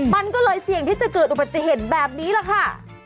มันก็เลยเสี่ยงที่จะเกิดอุบัติเหตุแบบนี้แหละค่ะ